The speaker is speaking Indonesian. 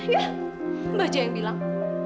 ya baja yang bilang